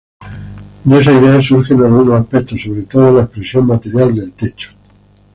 De esa idea surgen algunos aspectos, sobre todo la expresión material del techo.